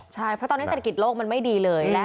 ใช่เพราะตอนนี้เศรษฐกิจโลกมันไม่ดีเลย